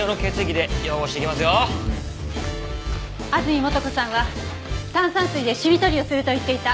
安積素子さんは炭酸水で染み取りをすると言っていた。